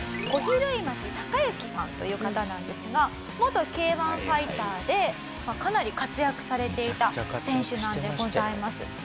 小比類巻貴之さんという方なんですが元Ｋ−１ファイターでかなり活躍されていた選手なんでございます。